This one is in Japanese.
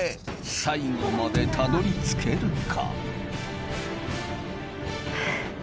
最後までたどり着けるか